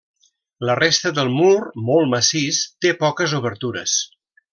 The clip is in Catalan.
La resta del mur, molt massís, té poques obertures.